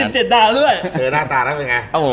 เจอหน้าตาแล้วเป็นยังไง